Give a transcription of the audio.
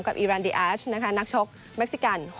กับอิรันดีแอชนักชกแม็กซิกัน